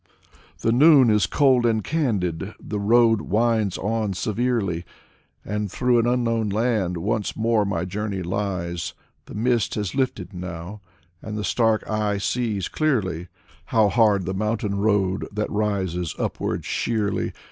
The noon is cold and candid, the road winds on severely, And through an unknown land once more my journey lies. The mist has lifted now, and the stark eye sees clearly How hard the mountain road that rises upward sheerly.